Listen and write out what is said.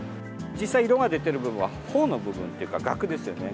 実際、色が出ている部分は苞の部分っていうかガクですよね。